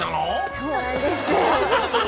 そうなんです。